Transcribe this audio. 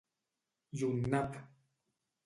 I un nap!